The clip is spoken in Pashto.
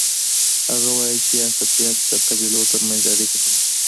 هغه وایي چي عصبيت د قبیلو ترمنځ اړیکه ټینګوي.